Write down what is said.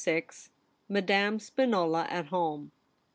MADAME SPINOLA AT HOME.